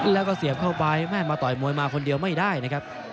แล้วก็เสียบเข้าไปแม่มาต่อยมวยมาคนเดียวไม่ได้นะครับ